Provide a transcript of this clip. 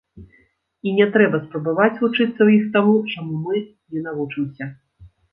І не трэба спрабаваць вучыцца ў іх таму, чаму мы не навучымся.